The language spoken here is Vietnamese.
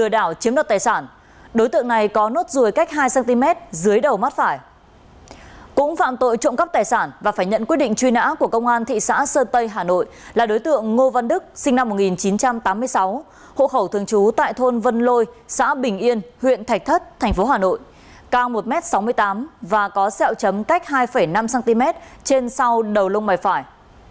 nhận quyết định truy nã của công an thị xã sơn tây hà nội là đối tượng ngô văn đức sinh năm một nghìn chín trăm tám mươi sáu hộ khẩu thường trú tại thôn vân lôi xã bình yên huyện thạch thất thành phố hà nội cao một m sáu mươi tám và có sẹo chấm cách hai năm cm trên sau đầu lông bài phải